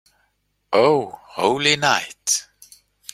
O holy night.